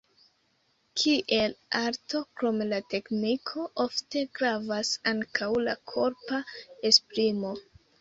Kiel arto, krom la tekniko, ofte gravas ankaŭ la korpa esprimo.